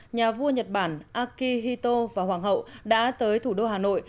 nhà vua nhật bản akihito và hoàng hậu đã tới thủ đô hà nội